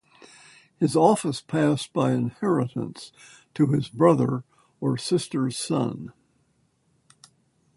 His office passed by inheritance to his brother or sister's son.